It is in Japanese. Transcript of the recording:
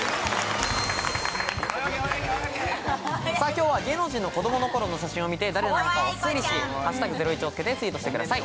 今日は芸能人の子供の頃の写真を見て誰なのかを推理し「＃ゼロイチ」を付けてツイートしてください。